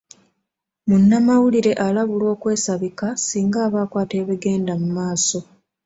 Munnamawulire alabulwa okwesabika singa aba akwata ebigenda maaso.